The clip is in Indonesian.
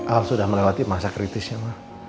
al sudah melewati masa kritisnya ma